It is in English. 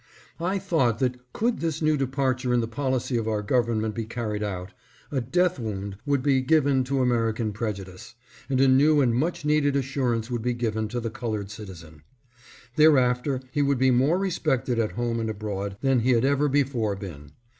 I thought that could this new departure in the policy of our Government be carried out, a death wound would be given to American prejudice, and a new and much needed assurance would be given to the colored citizen. Thereafter he would be more respected at home and abroad than he had ever before been.